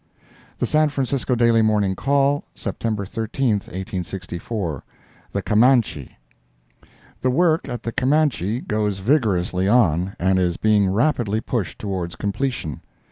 The San Francisco Daily Morning Call, September 13, 1864 THE CAMANCHE The work at the Camanche goes vigorously on, and is being rapidly pushed towards completion.